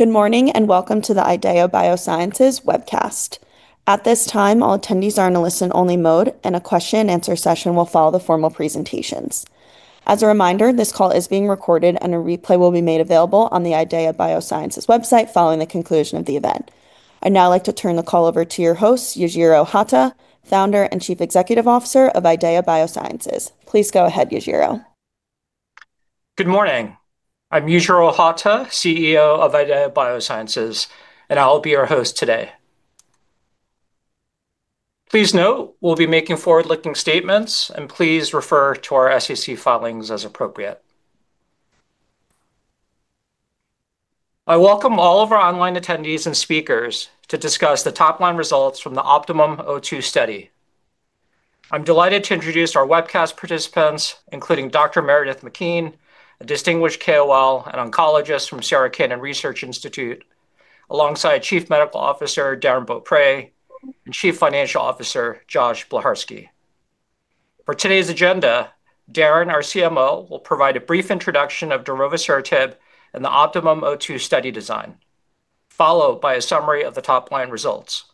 Good morning, and welcome to the IDEAYA Biosciences webcast. At this time, all attendees are in a listen-only mode, and a question and answer session will follow the formal presentations. As a reminder, this call is being recorded, and a replay will be made available on the IDEAYA Biosciences' website following the conclusion of the event. I'd now like to turn the call over to your host, Yujiro S. Hata, Founder and Chief Executive Officer of IDEAYA Biosciences. Please go ahead, Yujiro. Good morning. I'm Yujiro S. Hata, CEO of IDEAYA Biosciences, and I'll be your host today. Please note we'll be making forward-looking statements, and please refer to our SEC filings as appropriate. I welcome all of our online attendees and speakers to discuss the top-line results from the OptimUM-02 study. I'm delighted to introduce our webcast participants, including Dr. Meredith McKean, a distinguished KOL and oncologist from Sarah Cannon Research Institute, alongside Chief Medical Officer Darrin M. Beaupre and Chief Financial Officer Paul A. Barsky. For today's agenda, Darrin M. Beaupre, our CMO, will provide a brief introduction of darovasertib and the OptimUM-02 study design, followed by a summary of the top-line results.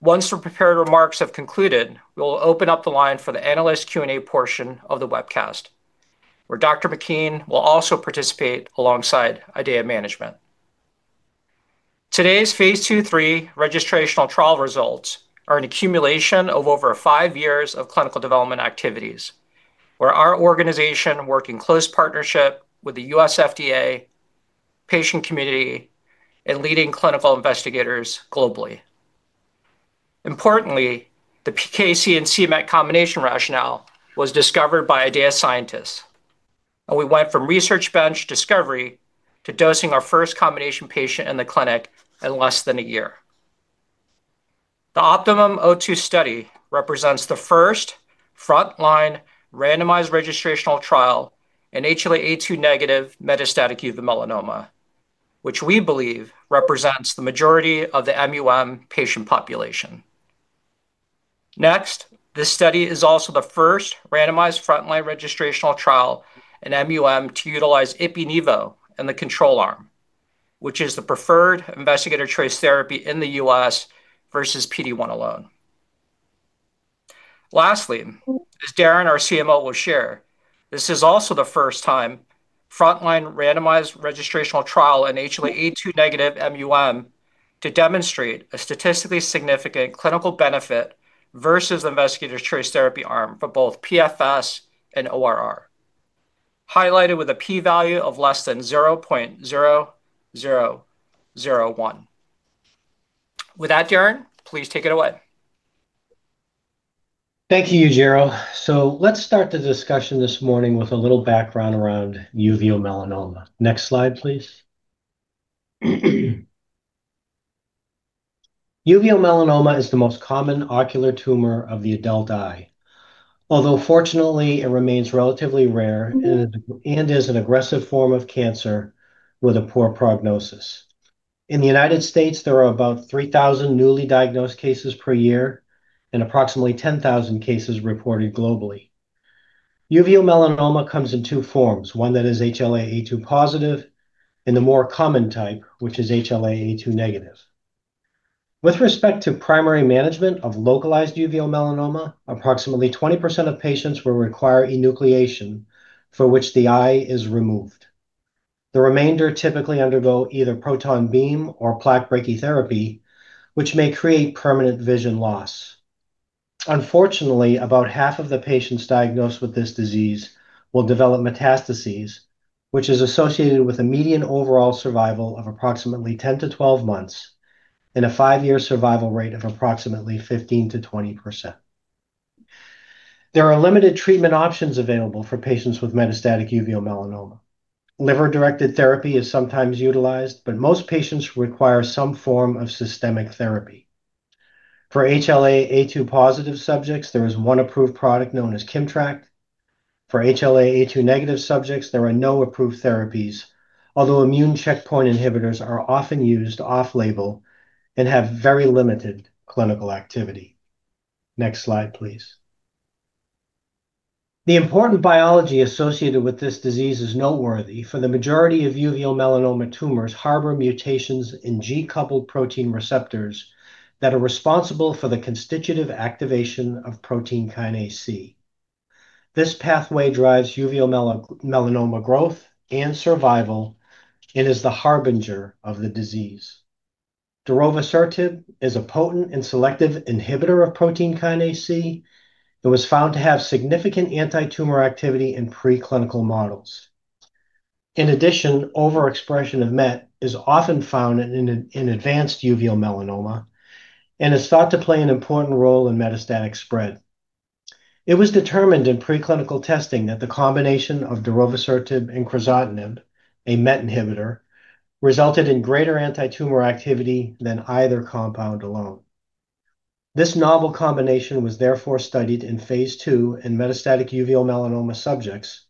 Once the prepared remarks have concluded, we'll open up the line for the analyst Q&A portion of the webcast, where Dr. McKean will also participate alongside IDEAYA management. Today's phase II/III registrational trial results are an accumulation of over five years of clinical development activities, where our organization worked in close partnership with the U.S. FDA, patient community, and leading clinical investigators globally. Importantly, the PKC and c-MET combination rationale was discovered by IDEAYA scientists, and we went from research bench discovery to dosing our first combination patient in the clinic in less than a year. The OptimUM-02 study represents the first frontline randomized registrational trial in HLA-A2 negative metastatic uveal melanoma, which we believe represents the majority of the MUM patient population. Next, this study is also the first randomized frontline registrational trial in MUM to utilize ipi/nivo in the control arm, which is the preferred investigator choice therapy in the U.S. versus PD-1 alone. Lastly, as Darrin, our CMO, will share, this is also the first time frontline randomized registrational trial in HLA-A2 negative MUM to demonstrate a statistically significant clinical benefit versus the investigator's choice therapy arm for both PFS and ORR, highlighted with a p-value of less than 0.0001. With that, Darrin, please take it away. Thank you, Yujiro. Let's start the discussion this morning with a little background around uveal melanoma. Next slide, please. Uveal melanoma is the most common ocular tumor of the adult eye, although fortunately it remains relatively rare and is an aggressive form of cancer with a poor prognosis. In the United States, there are about 3,000 newly diagnosed cases per year and approximately 10,000 cases reported globally. Uveal melanoma comes in two forms, one that is HLA-A2 positive and the more common type, which is HLA-A2 negative. With respect to primary management of localized uveal melanoma, approximately 20% of patients will require enucleation, for which the eye is removed. The remainder typically undergo either proton beam or plaque brachytherapy, which may create permanent vision loss. Unfortunately, about half of the patients diagnosed with this disease will develop metastases, which is associated with a median overall survival of approximately 10-12 months and a five-year survival rate of approximately 15%-20%. There are limited treatment options available for patients with metastatic uveal melanoma. Liver-directed therapy is sometimes utilized, but most patients require some form of systemic therapy. For HLA-A2 positive subjects, there is one approved product known as Kimmtrak. For HLA-A2 negative subjects, there are no approved therapies, although immune checkpoint inhibitors are often used off-label and have very limited clinical activity. Next slide, please. The important biology associated with this disease is noteworthy, for the majority of uveal melanoma tumors harbor mutations in G protein-coupled receptors that are responsible for the constitutive activation of protein kinase C. This pathway drives uveal melanoma growth and survival and is the harbinger of the disease. Darovasertib is a potent and selective inhibitor of protein kinase C and was found to have significant anti-tumor activity in preclinical models. In addition, overexpression of MET is often found in advanced uveal melanoma and is thought to play an important role in metastatic spread. It was determined in preclinical testing that the combination of darovasertib and crizotinib, a MET inhibitor, resulted in greater anti-tumor activity than either compound alone. This novel combination was therefore studied in phase II in metastatic uveal melanoma subjects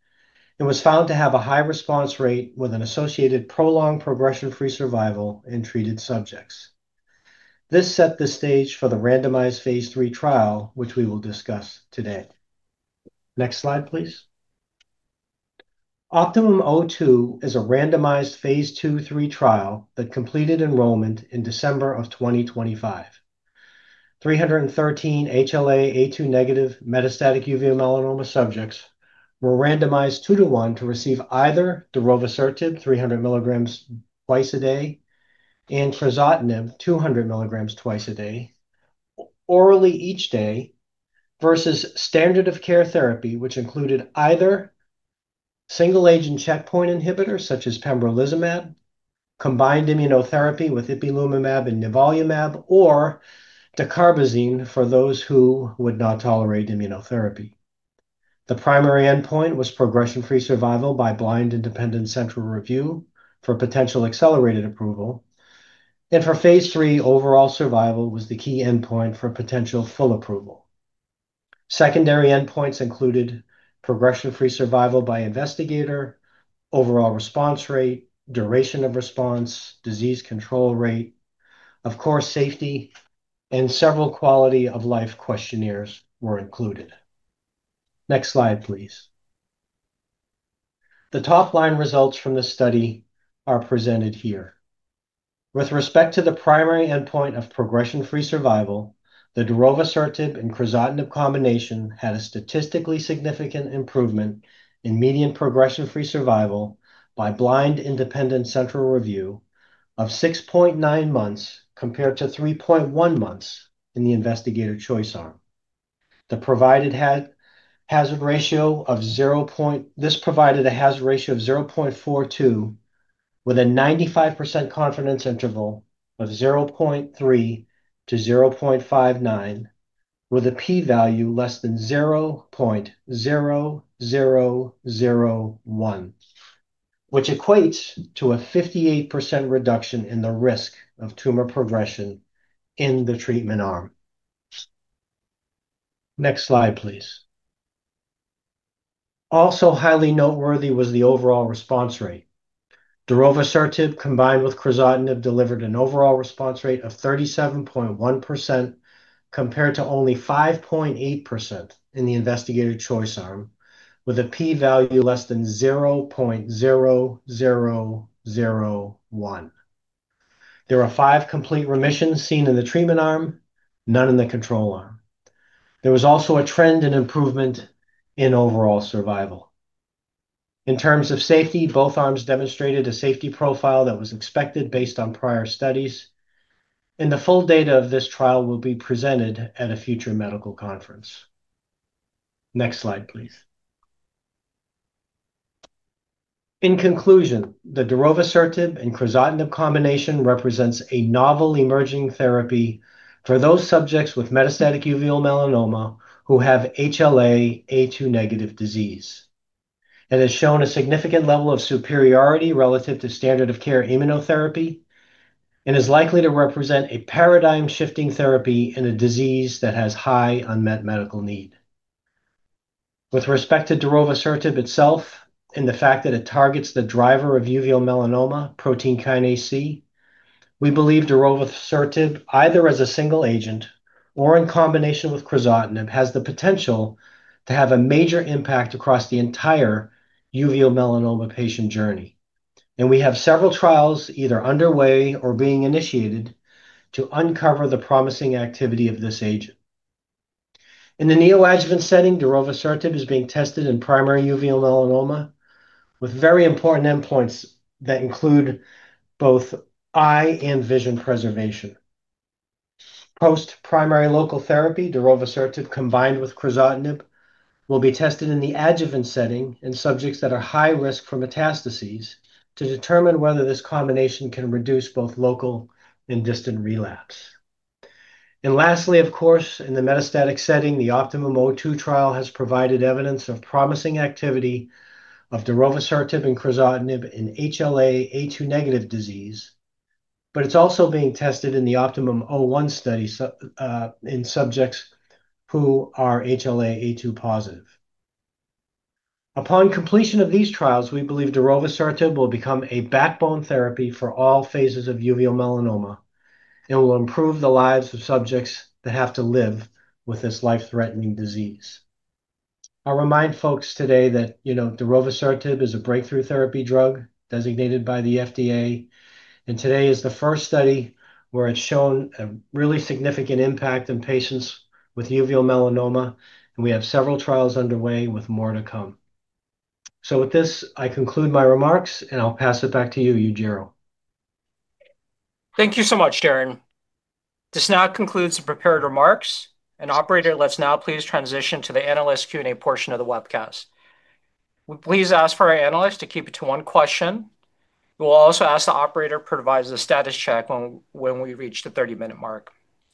and was found to have a high response rate with an associated prolonged progression-free survival in treated subjects. This set the stage for the randomized phase III trial, which we will discuss today. Next slide, please. OptimUM-02 is a randomized phase II/III trial that completed enrollment in December of 2025. 313 HLA-A2 negative metastatic uveal melanoma subjects were randomized 2 to 1 to receive either darovasertib, 300 mg twice a day, and crizotinib, 200 mg twice a day, orally each day, versus standard of care therapy, which included either single-agent checkpoint inhibitors such as pembrolizumab, combined immunotherapy with ipilimumab and nivolumab, or dacarbazine for those who would not tolerate immunotherapy. The primary endpoint was progression-free survival by Blind Independent Central Review for potential accelerated approval. For phase III, overall survival was the key endpoint for potential full approval. Secondary endpoints included progression-free survival by investigator, overall response rate, duration of response, disease control rate, of course safety, and several quality of life questionnaires were included. Next slide, please. The top-line results from the study are presented here. With respect to the primary endpoint of progression-free survival, the darovasertib and crizotinib combination had a statistically significant improvement in median progression-free survival by blind independent central review of 6.9 months compared to 3.1 months in the investigator choice arm. This provided a hazard ratio of 0.42 with a 95% confidence interval of 0.3-0.59 with a p-value less than 0.0001, which equates to a 58% reduction in the risk of tumor progression in the treatment arm. Next slide, please. Also highly noteworthy was the overall response rate. darovasertib combined with crizotinib delivered an overall response rate of 37.1% compared to only 5.8% in the investigator choice arm, with a p-value less than 0.0001. There were five complete remissions seen in the treatment arm, none in the control arm. There was also a trend in improvement in overall survival. In terms of safety, both arms demonstrated a safety profile that was expected based on prior studies. The full data of this trial will be presented at a future medical conference. Next slide, please. In conclusion, the darovasertib and crizotinib combination represents a novel emerging therapy for those subjects with metastatic uveal melanoma who have HLA-A2 negative disease, and has shown a significant level of superiority relative to standard of care immunotherapy, and is likely to represent a paradigm-shifting therapy in a disease that has high unmet medical need. With respect to darovasertib itself and the fact that it targets the driver of uveal melanoma, protein kinase C, we believe darovasertib, either as a single agent or in combination with crizotinib, has the potential to have a major impact across the entire uveal melanoma patient journey. We have several trials either underway or being initiated to uncover the promising activity of this agent. In the neoadjuvant setting, darovasertib is being tested in primary uveal melanoma with very important endpoints that include both eye and vision preservation. Post primary local therapy, darovasertib combined with crizotinib will be tested in the adjuvant setting in subjects that are high risk for metastases to determine whether this combination can reduce both local and distant relapse. Lastly, of course, in the metastatic setting, the OptimUM-02 trial has provided evidence of promising activity of darovasertib and crizotinib in HLA-A2 negative disease, but it's also being tested in the OptimUM-01 study in subjects who are HLA-A2 positive. Upon completion of these trials, we believe darovasertib will become a backbone therapy for all phases of uveal melanoma, and will improve the lives of subjects that have to live with this life-threatening disease. I'll remind folks today that darovasertib is a Breakthrough Therapy drug designated by the FDA, and today is the first study where it's shown a really significant impact in patients with uveal melanoma, and we have several trials underway with more to come. With this, I conclude my remarks, and I'll pass it back to you, Yujiro. Thank you so much, Darrin. This now concludes the prepared remarks. Operator, let's now please transition to the analyst Q&A portion of the webcast. We please ask for our analysts to keep it to one question. We will also ask the operator provides a status check when we reach the 30-minute mark.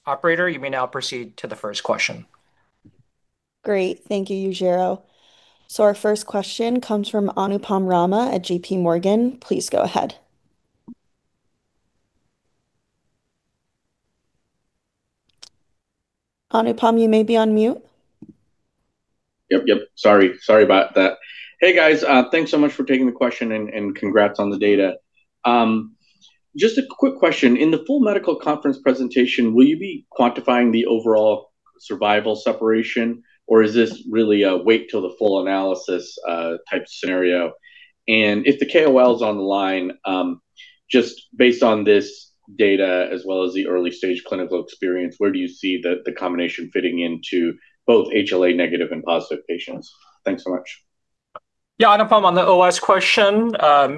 Operator, you may now proceed to the first question. Great. Thank you, Yujiro. So our first question comes from Anupam Rama at JPMorgan. Please go ahead. Anupam, you may be on mute. Yep. Sorry about that. Hey, guys. Thanks so much for taking the question, and congrats on the data. Just a quick question. In the full medical conference presentation, will you be quantifying the overall survival separation, or is this really a wait till the full analysis type scenario? If the KOLs online, just based on this data as well as the early-stage clinical experience, where do you see the combination fitting into both HLA negative and positive patients? Thanks so much. Yeah, Anupam, on the OS question,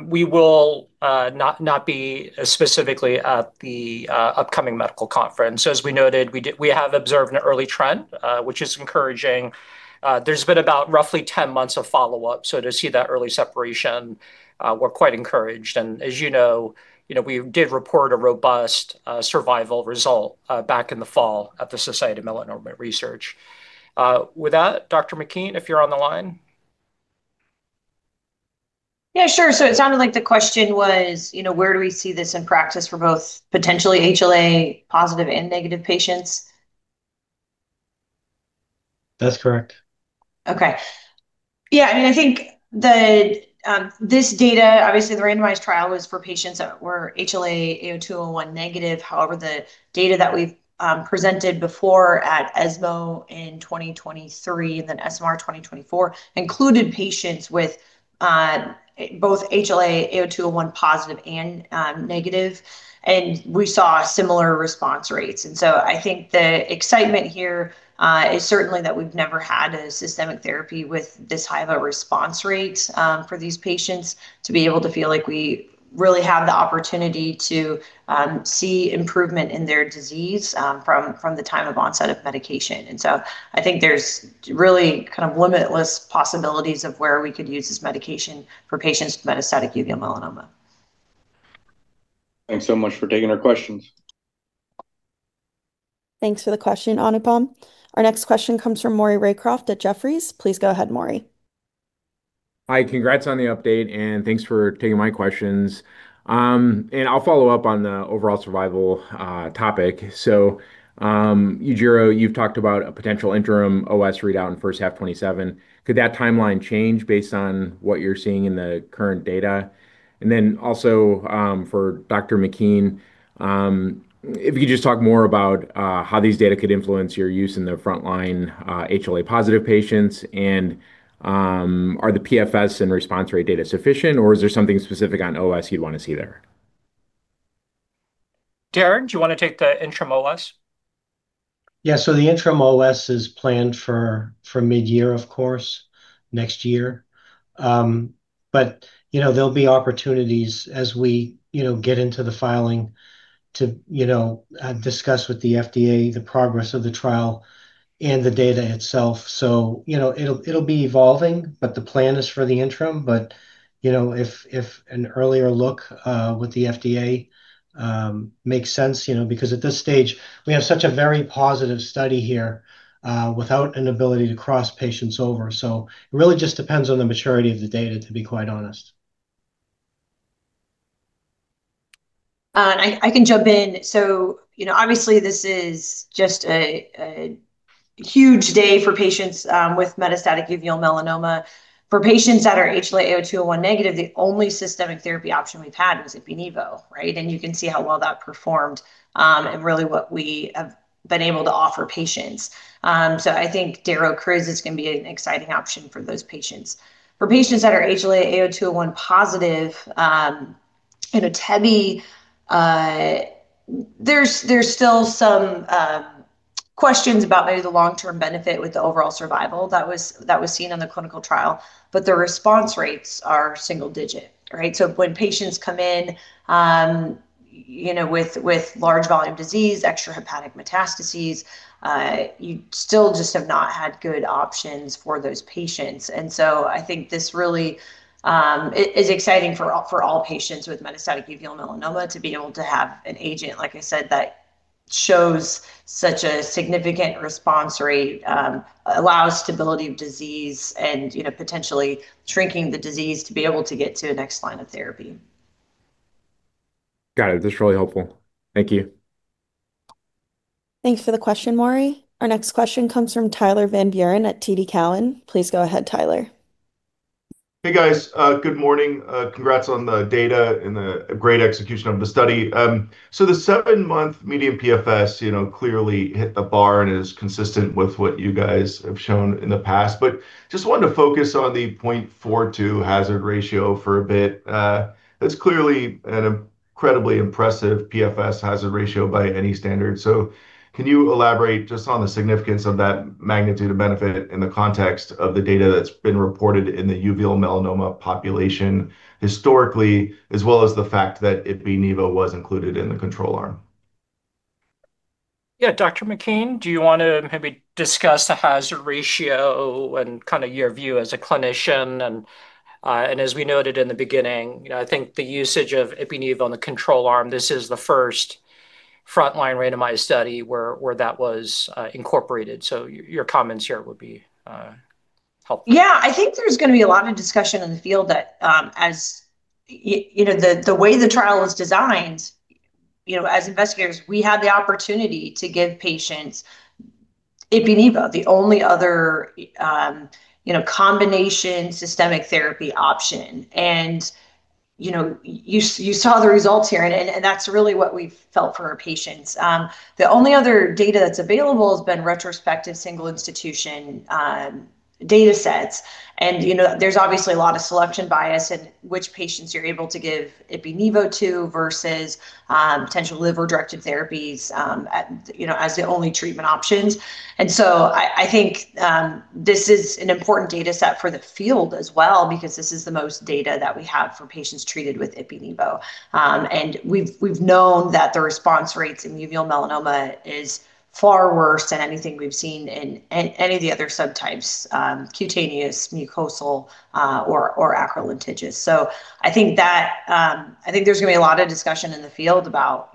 we will not be specifically at the upcoming medical conference. As we noted, we have observed an early trend, which is encouraging. There's been about roughly 10 months of follow-up, so to see that early separation, we're quite encouraged. As you know, we did report a robust survival result back in the fall at the Society for Melanoma Research. With that, Dr. McKean, if you're on the line. Yeah, sure. It sounded like the question was, where do we see this in practice for both potentially HLA-positive and negative patients? That's correct. Okay. Yeah, I think this data, obviously the randomized trial was for patients that were HLA-A*02:01 negative. However, the data that we've presented before at ESMO in 2023, then SMR 2024, included patients with both HLA-A*02:01 positive and negative, and we saw similar response rates. I think the excitement here is certainly that we've never had a systemic therapy with this high of a response rate for these patients to be able to feel like we really have the opportunity to see improvement in their disease from the time of onset of medication. I think there's really kind of limitless possibilities of where we could use this medication for patients with metastatic uveal melanoma. Thanks so much for taking our questions. Thanks for the question, Anupam. Our next question comes from Maury Raycroft at Jefferies. Please go ahead, Maury. Hi. Congrats on the update, and thanks for taking my questions. I'll follow up on the overall survival topic. Yujiro, you've talked about a potential interim OS readout in first half 2027. Could that timeline change based on what you're seeing in the current data? For Dr. McKean, if you could just talk more about how these data could influence your use in the frontline HLA-positive patients, and are the PFS and response rate data sufficient, or is there something specific on OS you'd want to see there? Darrin, do you want to take the interim OS? Yeah. The interim OS is planned for mid-year, of course, next year. There'll be opportunities as we get into the filing to discuss with the FDA the progress of the trial and the data itself. It'll be evolving, but the plan is for the interim. If an earlier look with the FDA makes sense, because at this stage, we have such a very positive study here without an ability to cross patients over. It really just depends on the maturity of the data, to be quite honest. I can jump in. Obviously, this is just a huge day for patients with metastatic uveal melanoma. For patients that are HLA-A*02:01 negative, the only systemic therapy option we've had was ipi/nivo, right? You can see how well that performed, and really what we have been able to offer patients. I think darovasertib is going to be an exciting option for those patients. For patients that are HLA-A*02:01 positive, with tebentafusp, there's still some questions about maybe the long-term benefit with the overall survival that was seen on the clinical trial. The response rates are single-digit, right? When patients come in with large volume disease, extrahepatic metastases, you still just have not had good options for those patients. I think this really is exciting for all patients with metastatic uveal melanoma to be able to have an agent, like I said, that shows such a significant response rate, allows stability of disease, and potentially shrinking the disease to be able to get to the next line of therapy. Got it. That's really helpful. Thank you. Thanks for the question, Maury. Our next question comes from Tyler Van Buren at TD Cowen. Please go ahead, Tyler. Hey, guys. Good morning. Congrats on the data and the great execution of the study. The seven-month median PFS clearly hit the bar and is consistent with what you guys have shown in the past. I just wanted to focus on the 0.42 hazard ratio for a bit. That's clearly an incredibly impressive PFS hazard ratio by any standard. Can you elaborate just on the significance of that magnitude of benefit in the context of the data that's been reported in the uveal melanoma population historically, as well as the fact that ipi/nivo was included in the control arm? Yeah. Dr. McKean, do you want to maybe discuss the hazard ratio and kind of your view as a clinician? As we noted in the beginning, I think the usage of ipi/nivo on the control arm, this is the first frontline randomized study where that was incorporated. Your comments here would be helpful. Yeah. I think there's going to be a lot of discussion in the field that as the way the trial was designed, as investigators, we had the opportunity to give patients ipilimumab, the only other combination systemic therapy option. You saw the results here, and that's really what we've felt for our patients. The only other data that's available has been retrospective single institution datasets. There's obviously a lot of selection bias in which patients you're able to give ipilimumab to versus potential liver-directed therapies as the only treatment options. I think this is an important dataset for the field as well because this is the most data that we have for patients treated with ipilimumab. We've known that the response rates in uveal melanoma is far worse than anything we've seen in any of the other subtypes, cutaneous, mucosal or acral lentiginous. I think there's going to be a lot of discussion in the field about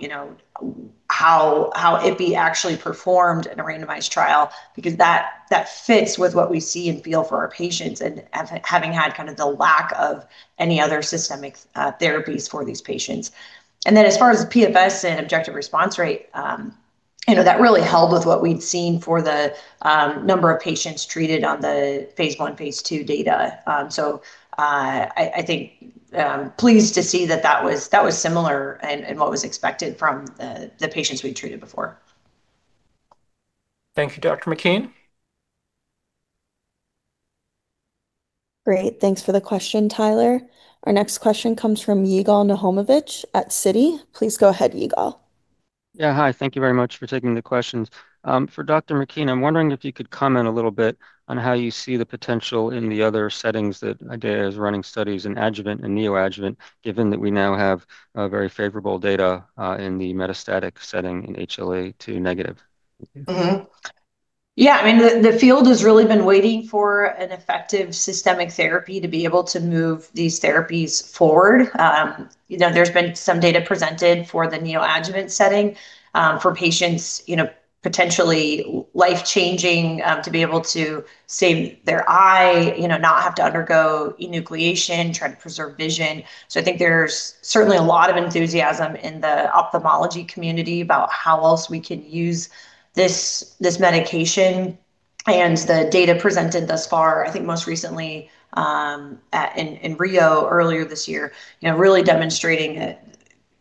how ipi actually performed in a randomized trial because that fits with what we see and feel for our patients and having had the lack of any other systemic therapies for these patients. As far as PFS and objective response rate, that really held with what we'd seen for the number of patients treated on the phase I, phase II data. I think I'm pleased to see that was similar and what was expected from the patients we'd treated before. Thank you, Dr. McKean. Great. Thanks for the question, Tyler. Our next question comes from Yigal Nochomovitz at Citi. Please go ahead, Yigal. Yeah. Hi, thank you very much for taking the questions. For Dr. McKean, I'm wondering if you could comment a little bit on how you see the potential in the other settings that IDEAYA is running studies in adjuvant and neoadjuvant, given that we now have very favorable data in the metastatic setting in HLA-A2 negative. Yeah, the field has really been waiting for an effective systemic therapy to be able to move these therapies forward. There's been some data presented for the neoadjuvant setting for patients, potentially life-changing to be able to save their eye, not have to undergo enucleation, try to preserve vision. I think there's certainly a lot of enthusiasm in the ophthalmology community about how else we could use this medication and the data presented thus far, I think most recently, in Rio earlier this year really demonstrating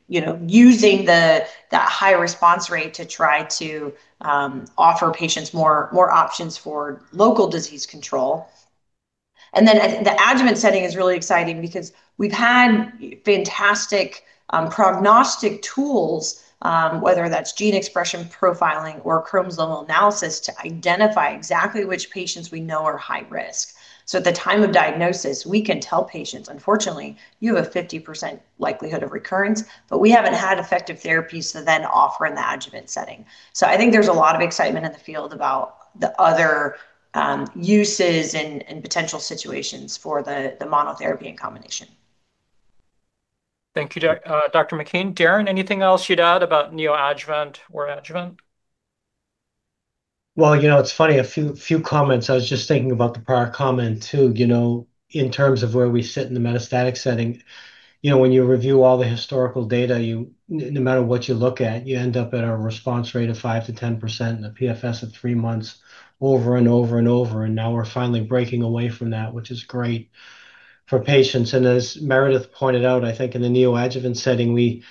using that high response rate to try to offer patients more options for local disease control. The adjuvant setting is really exciting because we've had fantastic prognostic tools, whether that's gene expression profiling or chromosome analysis, to identify exactly which patients we know are high risk. At the time of diagnosis, we can tell patients, unfortunately, you have a 50% likelihood of recurrence, but we haven't had effective therapies to then offer in the adjuvant setting. I think there's a lot of excitement in the field about the other uses and potential situations for the monotherapy and combination. Thank you, Dr. McKean. Darrin, anything else you'd add about neoadjuvant or adjuvant? Well, it's funny, a few comments. I was just thinking about the prior comment too. In terms of where we sit in the metastatic setting, when you review all the historical data, no matter what you look at, you end up at a response rate of 5%-10% and a PFS of three months over and over. Now we're finally breaking away from that, which is great for patients. As Meredith pointed out, I think in the neoadjuvant setting, we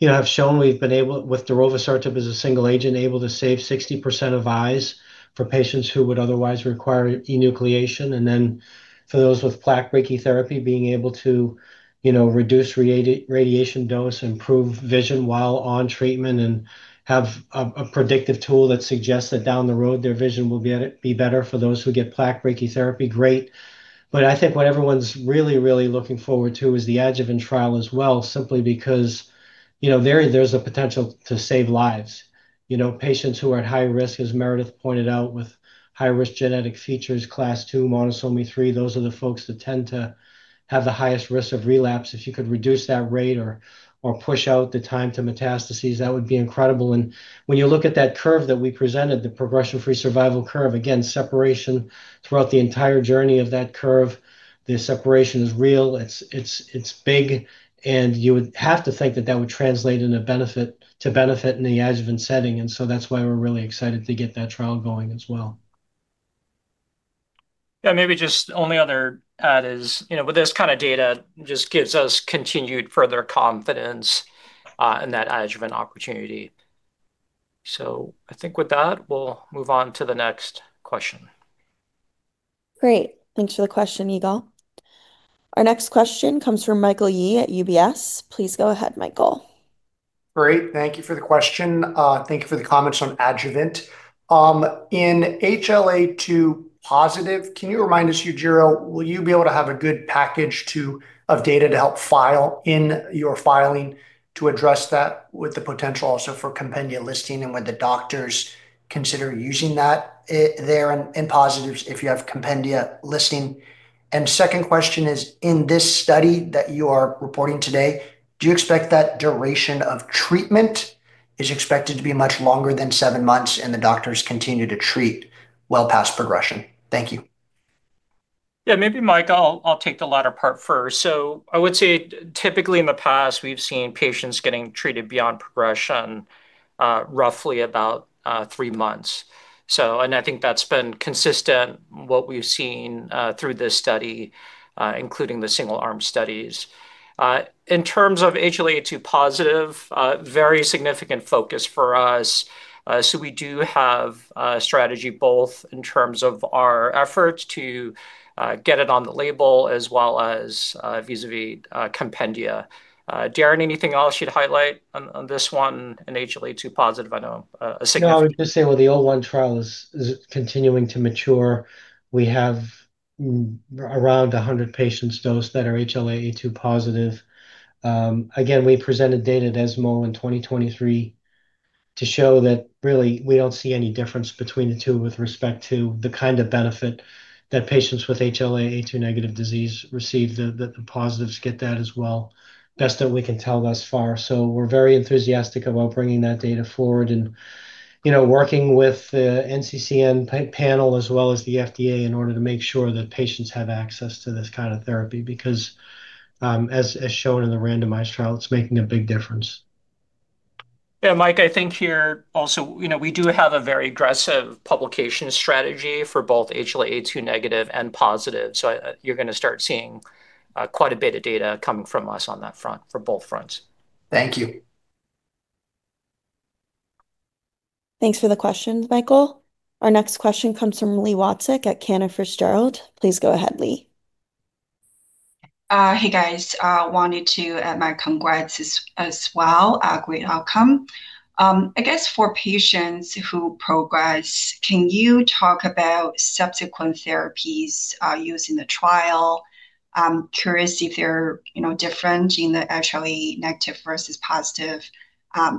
have shown we've been able, with darovasertib as a single agent, able to save 60% of eyes for patients who would otherwise require enucleation. For those with plaque brachytherapy, being able to reduce radiation dose, improve vision while on treatment, and have a predictive tool that suggests that down the road their vision will be better for those who get plaque brachytherapy, great. I think what everyone's really looking forward to is the adjuvant trial as well, simply because there's a potential to save lives. Patients who are at high risk, as Meredith pointed out, with high-risk genetic features, Class 2, monosomy 3, those are the folks that tend to have the highest risk of relapse. If you could reduce that rate or push out the time to metastases, that would be incredible. When you look at that curve that we presented, the progression-free survival curve, again, separation throughout the entire journey of that curve, the separation is real. It's big, and you would have to think that would translate into benefit in the adjuvant setting. That's why we're really excited to get that trial going as well. Yeah, maybe just only other add is, with this kind of data, just gives us continued further confidence in that adjuvant opportunity. I think with that, we'll move on to the next question. Great. Thanks for the question, Yigal. Our next question comes from Michael Yee at UBS. Please go ahead, Michael. Great. Thank you for the question. Thank you for the comments on adjuvant. In HLA-A2 positive, can you remind us, Yujiro, will you be able to have a good package of data to help file in your filing to address that with the potential also for Compendia listing and would the doctors consider using that there in positives if you have Compendia listing? Second question is, in this study that you are reporting today, do you expect that duration of treatment is expected to be much longer than seven months and the doctors continue to treat well past progression? Thank you. Yeah. Maybe, Mike, I'll take the latter part first. I would say typically in the past, we've seen patients getting treated beyond progression roughly about three months. I think that's been consistent, what we've seen through this study, including the single-arm studies. In terms of HLA-A2-positive, very significant focus for us. We do have a strategy, both in terms of our efforts to get it on the label as well as vis-à-vis Compendia. Darrin, anything else you'd highlight on this one in HLA-A2-positive? No, I would just say with the O1 trial is continuing to mature. We have around 100 patients dosed that are HLA-A2 positive. Again, we presented data at ESMO in 2023 to show that really we don't see any difference between the two with respect to the kind of benefit that patients with HLA-A2 negative disease receive. The positives get that as well, best that we can tell thus far. We're very enthusiastic about bringing that data forward and working with the NCCN panel as well as the FDA in order to make sure that patients have access to this kind of therapy, because, as shown in the randomized trial, it's making a big difference. Yeah, Mike, I think here also, we do have a very aggressive publication strategy for both HLA-A2 negative and positive. You're going to start seeing quite a bit of data coming from us on that front for both fronts. Thank you. Thanks for the question, Michael. Our next question comes from Li Watsek at Cantor Fitzgerald Please go ahead, Li. Hey, guys. I wanted to add my congrats as well. Great outcome. I guess for patients who progress, can you talk about subsequent therapies used in the trial? I'm curious if they're different in the HLA negative versus positive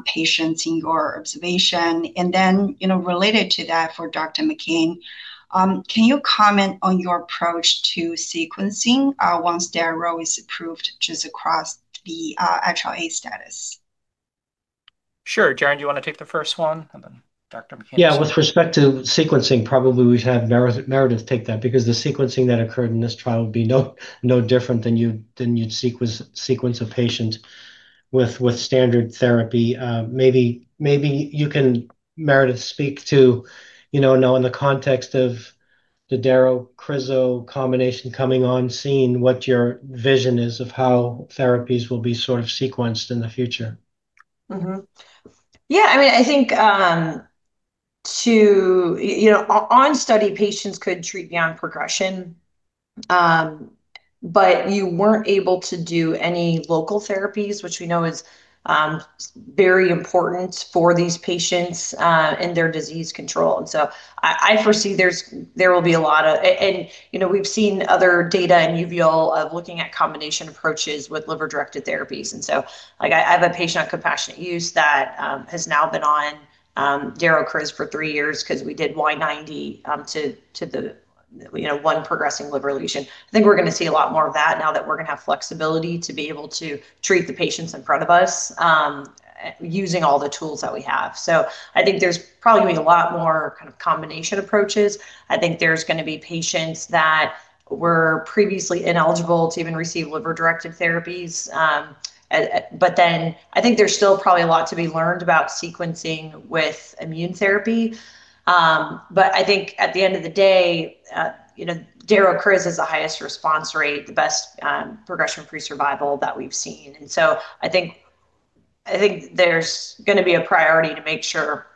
patients in your observation. Related to that for Dr. McKean, can you comment on your approach to sequencing once daro is approved just across the HLA status? Sure. Darrin, do you want to take the first one? Dr. McKean. Yeah. With respect to sequencing, probably we'd have Meredith take that because the sequencing that occurred in this trial would be no different than you'd sequence a patient with standard therapy. Maybe you can, Meredith, speak to now in the context of the daro/crizo combination coming on scene, what your vision is of how therapies will be sort of sequenced in the future. Yeah, I think on study, patients could treat beyond progression, but you weren't able to do any local therapies, which we know is very important for these patients in their disease control. We've seen other data in uveal of looking at combination approaches with liver-directed therapies, and so I have a patient on compassionate use that has now been on daro/crizo for three years because we did Y90 to the one progressing liver lesion. I think we're going to see a lot more of that now that we're going to have flexibility to be able to treat the patients in front of us using all the tools that we have. I think there's probably going to be a lot more kind of combination approaches. I think there's going to be patients that were previously ineligible to even receive liver-directed therapies. I think there's still probably a lot to be learned about sequencing with immune therapy. I think at the end of the day, daro/crizo has the highest response rate, the best progression-free survival that we've seen. I think there's going to be a priority to make sure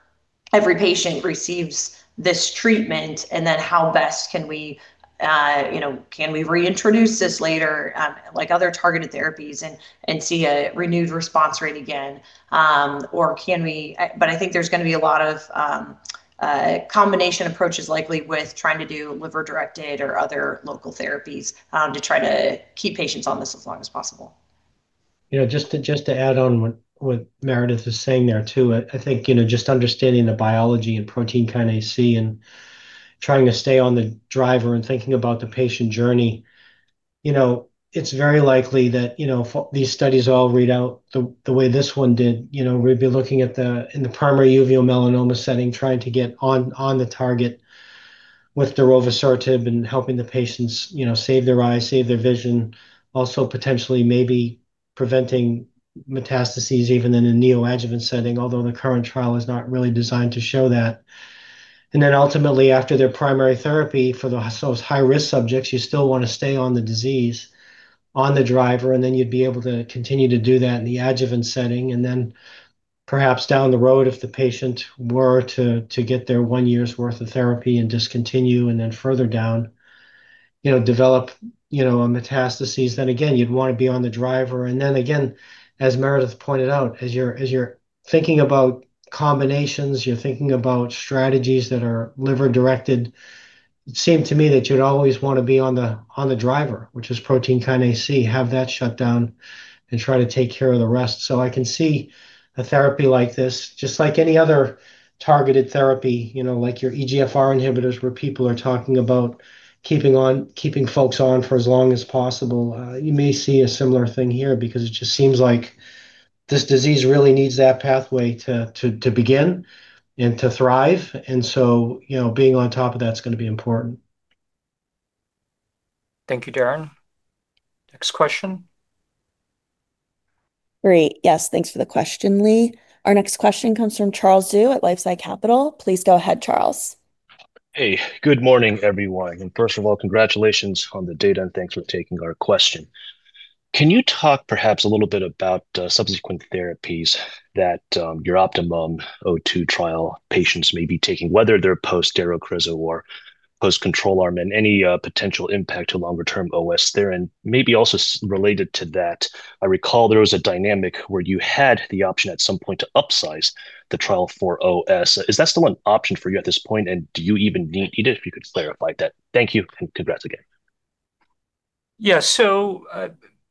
every patient receives this treatment and then how best can we reintroduce this later, like other targeted therapies, and see a renewed response rate again. I think there's going to be a lot of combination approaches likely with trying to do liver-directed or other local therapies to try to keep patients on this as long as possible. Just to add on what Meredith is saying there, too, I think just understanding the biology and protein kinase C and trying to stay on the driver and thinking about the patient journey, it's very likely that these studies all read out the way this one did. We'd be looking in the primary uveal melanoma setting, trying to get on the target with darovasertib and helping the patients save their eye, save their vision, also potentially maybe preventing metastases even in a neoadjuvant setting, although the current trial is not really designed to show that. Ultimately, after their primary therapy for those high-risk subjects, you still want to stay on the disease, on the driver, and then you'd be able to continue to do that in the adjuvant setting. Perhaps down the road, if the patient were to get their one year's worth of therapy and discontinue and then further down develop a metastases, then again, you'd want to be on the driver. Again, as Meredith pointed out, as you're thinking about combinations, you're thinking about strategies that are liver-directed, it seemed to me that you'd always want to be on the driver, which is protein kinase C, have that shut down and try to take care of the rest. I can see a therapy like this, just like any other targeted therapy, like your EGFR inhibitors, where people are talking about keeping folks on for as long as possible. You may see a similar thing here because it just seems like this disease really needs that pathway to begin and to thrive. Being on top of that is going to be important. Thank you, Darrin. Next question. Great. Yes, thanks for the question, Li. Our next question comes from Charles Zhu at LifeSci Capital. Please go ahead, Charles. Hey, good morning, everyone. First of all, congratulations on the data, and thanks for taking our question. Can you talk perhaps a little bit about subsequent therapies that your OptimUM-02 trial patients may be taking, whether they're post-daro, crizo, or post-control arm, and any potential impact to longer-term OS there? Maybe also related to that, I recall there was a dynamic where you had the option at some point to upsize the trial for OS. Is that still an option for you at this point, and do you even need it? If you could clarify that. Thank you, and congrats again. Yeah.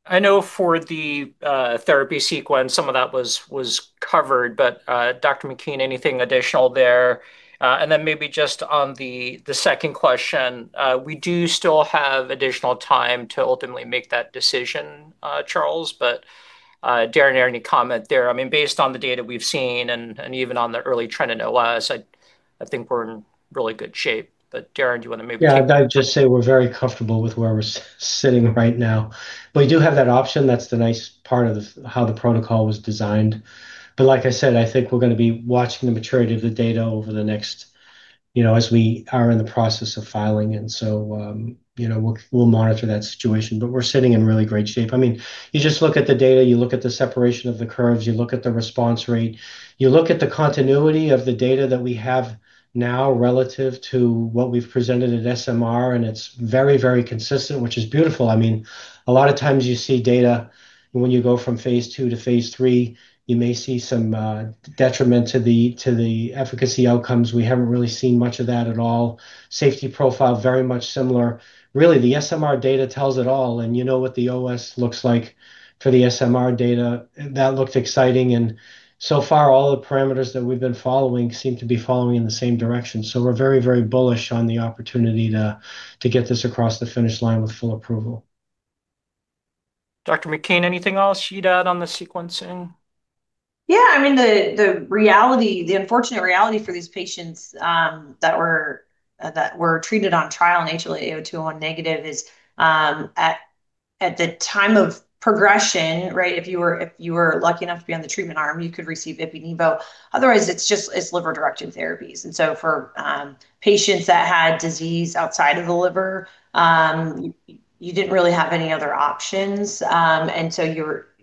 I know for the therapy sequence, some of that was covered. Dr. McKean, anything additional there? Maybe just on the second question, we do still have additional time to ultimately make that decision, Charles. Darrin, any comment there? Based on the data we've seen and even on the early trend in OS, I think we're in really good shape. Darrin, do you want to maybe? Yeah, I'd just say we're very comfortable with where we're sitting right now. We do have that option. That's the nice part of how the protocol was designed. Like I said, I think we're going to be watching the maturity of the data as we are in the process of filing. We'll monitor that situation. We're sitting in really great shape. You just look at the data, you look at the separation of the curves, you look at the response rate. You look at the continuity of the data that we have now relative to what we've presented at SMR, and it's very consistent, which is beautiful. A lot of times you see data when you go from phase II to phase III, you may see some detriment to the efficacy outcomes. We haven't really seen much of that at all. Safety profile, very much similar. Really, the SMR data tells it all. You know what the OS looks like for the SMR data. That looked exciting. So far, all the parameters that we've been following seem to be following in the same direction. We're very bullish on the opportunity to get this across the finish line with full approval. Dr. McKean, anything else you'd add on the sequencing? Yeah. The unfortunate reality for these patients that were treated on trial in HLA-A*02:01 negative is, at the time of progression, right, if you were lucky enough to be on the treatment arm, you could receive ipi/nivo. Otherwise, it's liver-directed therapies. And so for patients that had disease outside of the liver, you didn't really have any other options. And so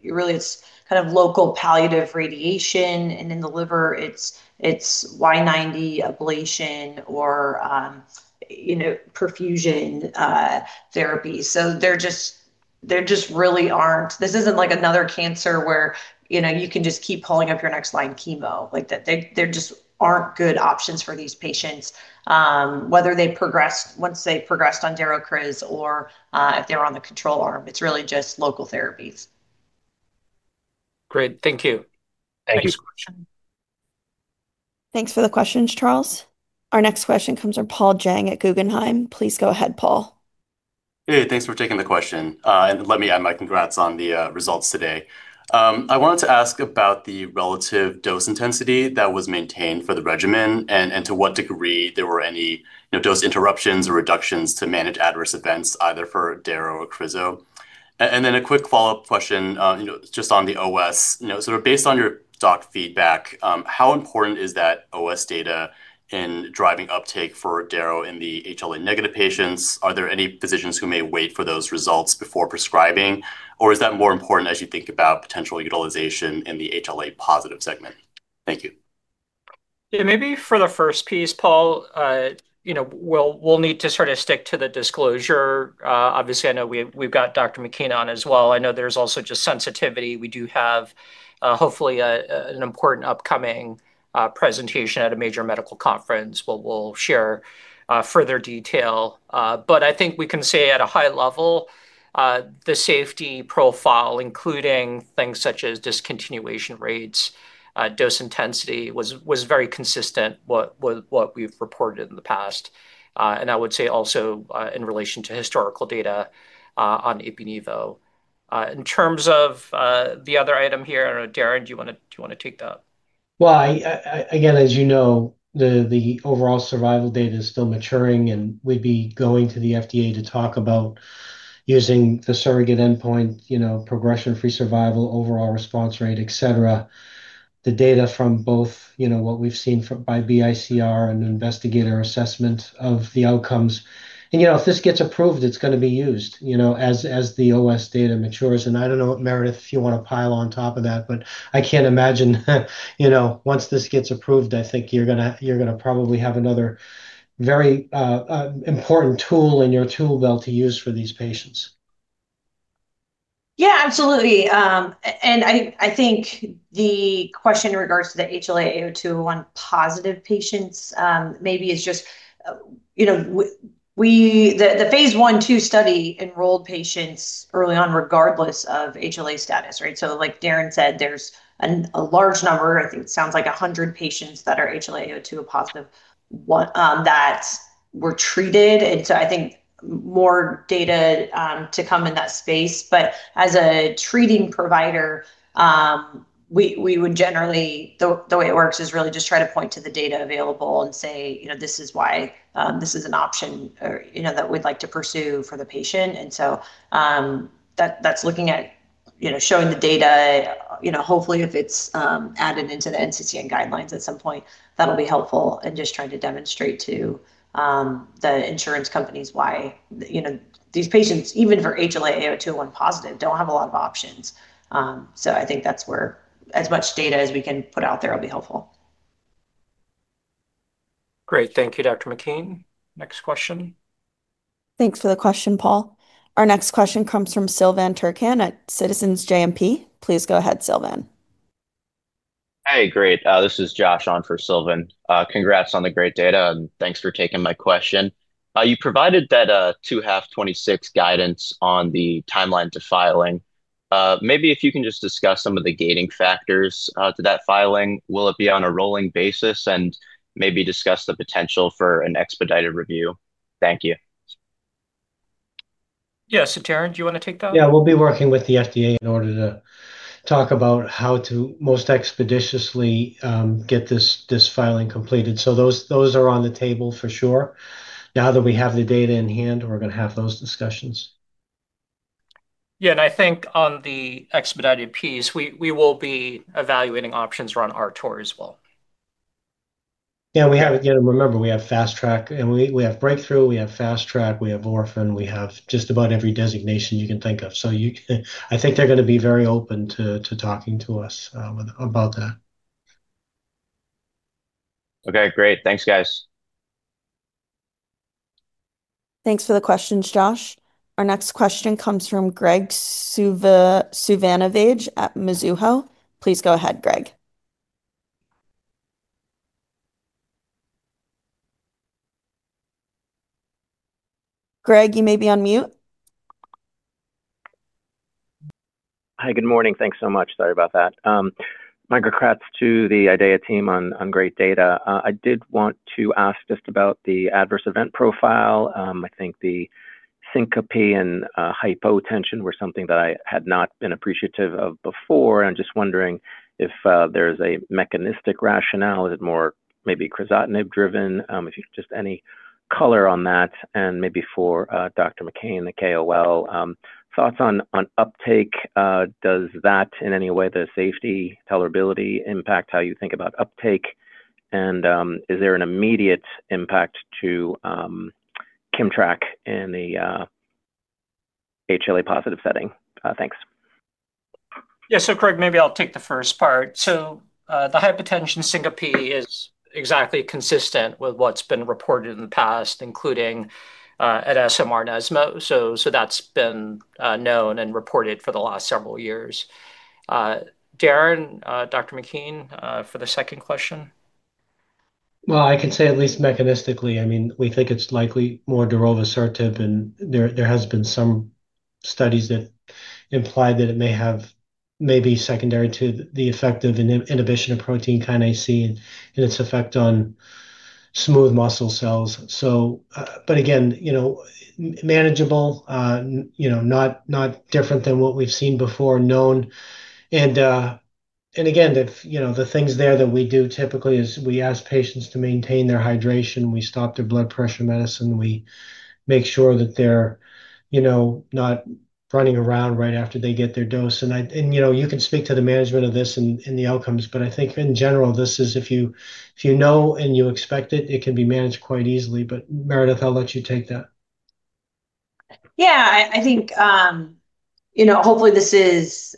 really, it's local palliative radiation. And in the liver, it's Y90 ablation or perfusion therapy. So there just really aren't-- this isn't like another cancer where you can just keep pulling up your next line chemo. There just aren't good options for these patients, whether they progressed, once they progressed on daro/crizo or if they were on the control arm. It's really just local therapies. Great. Thank you. Thank you. Next question. Thanks for the questions, Charles. Our next question comes from Paul Jeng at Guggenheim. Please go ahead, Paul. Hey, thanks for taking the question. Let me add my congrats on the results today. I wanted to ask about the relative dose intensity that was maintained for the regimen and to what degree there were any dose interruptions or reductions to manage adverse events, either for daro or crizo. A quick follow-up question, just on the OS, sort of based on your doc feedback, how important is that OS data in driving uptake for daro in the HLA-negative patients? Are there any physicians who may wait for those results before prescribing, or is that more important as you think about potential utilization in the HLA-positive segment? Thank you. Yeah, maybe for the first piece, Paul, we'll need to sort of stick to the disclosure. Obviously, I know we've got Dr. McKean on as well. I know there's also just sensitivity. We do have, hopefully, an important upcoming presentation at a major medical conference where we'll share further detail. I think we can say at a high level, the safety profile, including things such as discontinuation rates, dose intensity, was very consistent what we've reported in the past. I would say also in relation to historical data on ipi/nivo. In terms of the other item here, Darrin, do you want to take that? Well, again, as you know, the overall survival data is still maturing, and we'd be going to the FDA to talk about using the surrogate endpoint, progression-free survival, overall response rate, etcetera, the data from both what we've seen by BICR and investigator assessment of the outcomes. If this gets approved, it's going to be used as the OS data matures. I don't know, Meredith, if you want to pile on top of that, but I can't imagine once this gets approved, I think you're going to probably have another very important tool in your tool belt to use for these patients. Yeah, absolutely. I think the question in regards to the HLA-A*02:01 positive patients, the phase I/II study enrolled patients early on, regardless of HLA status. Like Darrin said, there's a large number, I think it sounds like 100 patients that are HLA-A*02:01 positive that were treated. I think more data to come in that space. As a treating provider, we would generally, the way it works is really just try to point to the data available and say, "This is why this is an option that we'd like to pursue for the patient." That's looking at showing the data. Hopefully, if it's added into the NCCN guidelines at some point, that'll be helpful in just trying to demonstrate to the insurance companies why these patients, even for HLA-A*02:01 positive, don't have a lot of options. I think that's where as much data as we can put out there will be helpful. Great. Thank you, Dr. McKean. Next question. Thanks for the question, Paul. Our next question comes from Silvan Tuerkcan at Citizens JMP. Please go ahead, Silvan. Hey, great. This is Josh on for Silvan. Congrats on the great data, and thanks for taking my question. You provided that second half 2026 guidance on the timeline to filing. Maybe if you can just discuss some of the gating factors to that filing. Will it be on a rolling basis? Maybe discuss the potential for an expedited review. Thank you. Yeah, so Darrin, do you want to take that? Yeah, we'll be working with the FDA in order to talk about how to most expeditiously get this filing completed. Those are on the table for sure. Now that we have the data in hand, we're going to have those discussions. Yeah, I think on the expedited piece, we will be evaluating options around RTOR as well. Yeah, remember, we have Fast Track, and we have Breakthrough. We have Fast Track. We have Orphan. We have just about every designation you can think of. I think they're going to be very open to talking to us about that. Okay, great. Thanks, guys. Thanks for the questions, Josh. Our next question comes from Graig Suvannavejh at Mizuho. Please go ahead, Graig. Graig, you may be on mute. Hi, good morning. Thanks so much. Sorry about that. My congrats to the IDEAYA team on great data. I did want to ask just about the adverse event profile. I think the syncope and hypotension were something that I had not been appreciative of before, and I'm just wondering if there's a mechanistic rationale. Is it more maybe crizotinib-driven? If you have just any color on that. Maybe for Dr. McKean, the KOL, thoughts on uptake. Does that, in any way, the safety tolerability impact how you think about uptake? Is there an immediate impact to Kimmtrak in the HLA-positive setting? Thanks. Yeah. Graig, maybe I'll take the first part. The hypotension syncope is exactly consistent with what's been reported in the past, including at SMR, ESMO. That's been known and reported for the last several years. Darrin, Dr. McKean, for the second question? Well, I can say at least mechanistically, we think it's likely more darovasertib, and there has been some studies that imply that it may be secondary to the effect of inhibition of protein kinase C and its effect on smooth muscle cells. Again, manageable, not different than what we've seen before, known. Again, the things there that we do typically is we ask patients to maintain their hydration. We stop their blood pressure medicine. We make sure that they're not running around right after they get their dose. You can speak to the management of this and the outcomes, but I think in general, this is if you know and you expect it can be managed quite easily. Meredith, I'll let you take that. Yeah, I think, hopefully this is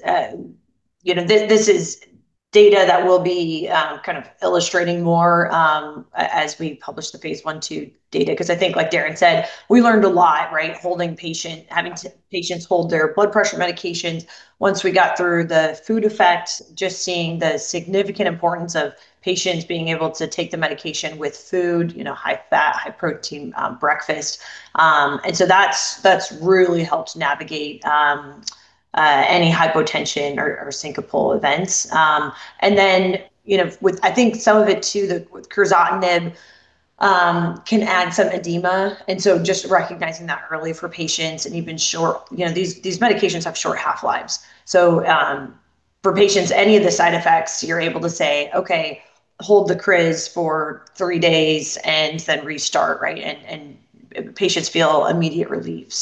data that we'll be kind of illustrating more as we publish the phase I/II data. Because I think, like Darrin said, we learned a lot. Having patients hold their blood pressure medications once we got through the food effect, just seeing the significant importance of patients being able to take the medication with food, high fat, high protein breakfast, that's really helped navigate any hypotension or syncopal events. I think some of it, too, with crizotinib can add some edema. Just recognizing that early for patients, and these medications have short half-lives. For patients, any of the side effects, you're able to say, "Okay, hold the criz for three days and then restart." Patients feel immediate relief.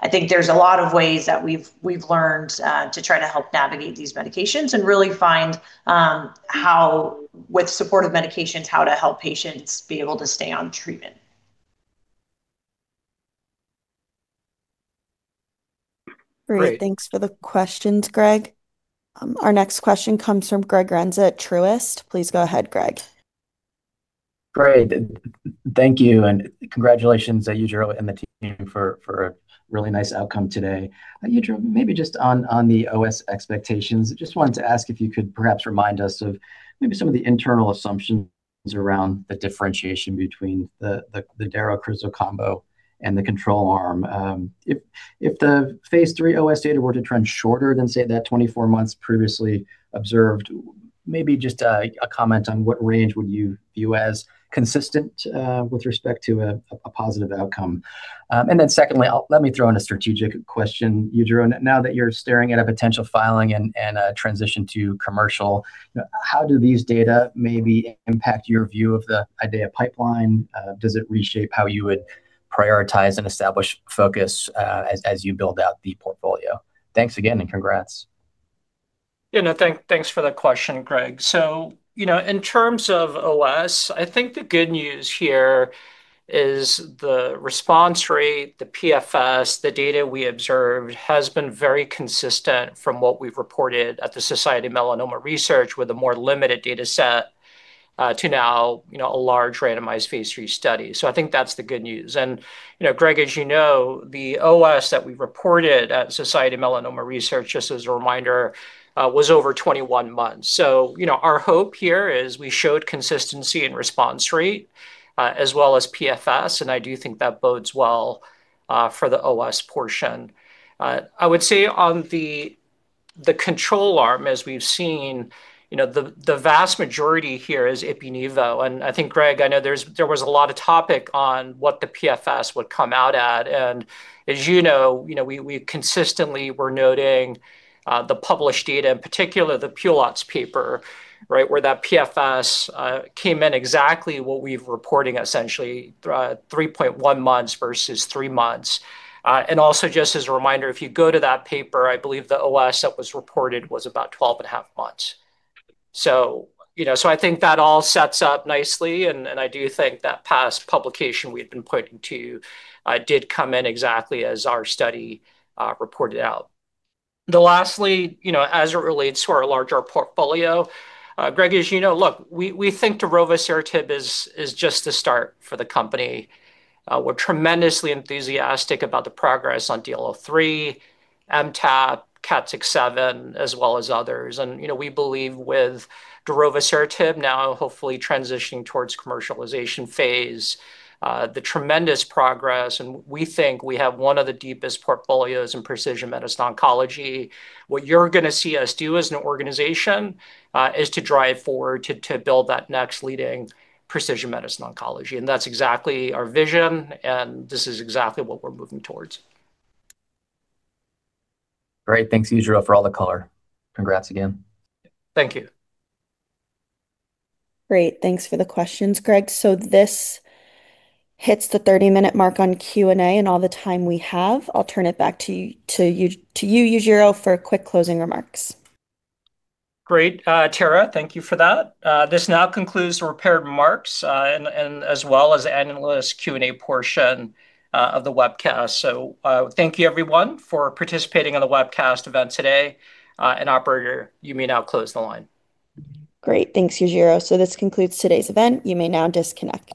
I think there's a lot of ways that we've learned to try to help navigate these medications and really find how, with supportive medications, how to help patients be able to stay on treatment. Great. Great. Thanks for the questions, Greg. Our next question comes from Greg Renza at Truist. Please go ahead, Greg. Great. Thank you, and congratulations to Yujiro Hata and the team for a really nice outcome today. Yujiro Hata, maybe just on the OS expectations, I just wanted to ask if you could perhaps remind us of maybe some of the internal assumptions around the differentiation between the daro/crizo combo and the control arm. If the phase III OS data were to trend shorter than, say, that 24 months previously observed, maybe just a comment on what range would you view as consistent with respect to a positive outcome. Secondly, let me throw in a strategic question, Yujiro. Now that you're staring at a potential filing and a transition to commercial, how do these data maybe impact your view of the IDEAYA pipeline? Does it reshape how you would prioritize and establish focus as you build out the portfolio? Thanks again, and congrats. Yeah, no, thanks for the question, Greg. In terms of OS, I think the good news here is the response rate, the PFS, the data we observed, has been very consistent from what we've reported at the Society for Melanoma Research with a more limited data set to now a large randomized phase III study. I think that's the good news. Greg, as you know, the OS that we reported at Society for Melanoma Research, just as a reminder, was over 21 months. Our hope here is we showed consistency in response rate as well as PFS, and I do think that bodes well for the OS portion. I would say on the control arm, as we've seen, the vast majority here is ipi/nivo. I think, Greg, I know there was a lot of topic on what the PFS would come out at. As you know, we consistently were noting the published data, in particular the Pelster paper, right, where that PFS came in exactly what we've reporting, essentially 3.1 months versus three months. Also, just as a reminder, if you go to that paper, I believe the OS that was reported was about 12 and a half months. I think that all sets up nicely, and I do think that past publication we had been pointing to did come in exactly as our study reported out. Lastly, as it relates to our larger portfolio, Greg, as you know, look, we think darovasertib is just the start for the company. We're tremendously enthusiastic about the progress on IDE161, MTAP, IDE397, as well as others. We believe with darovasertib now hopefully transitioning towards commercialization phase, the tremendous progress, and we think we have one of the deepest portfolios in precision medicine oncology. What you're going to see us do as an organization is to drive forward to build that next leading precision medicine oncology, and that's exactly our vision, and this is exactly what we're moving towards. Great. Thanks, Yujiro, for all the color. Congrats again. Thank you. Great. Thanks for the questions, Greg. This hits the 30 minute mark on Q&A, and all the time we have. I'll turn it back to you, Yujiro, for quick closing remarks. Great. Tara, thank you for that. This now concludes the prepared remarks as well as the analyst Q&A portion of the webcast. Thank you everyone for participating in the webcast event today. Operator, you may now close the line. Great. Thanks, Yujiro. This concludes today's event. You may now disconnect.